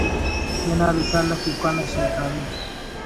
تینا رسالہ ”کوکار“ نا شینکاری